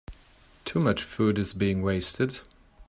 Too much food is being wasted.